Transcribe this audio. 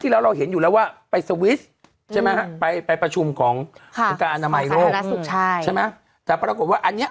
แล้วเมื่อกี้ก็คือ